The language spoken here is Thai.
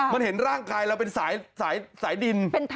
มันเห็นร่างกายเราเป็นสายดิน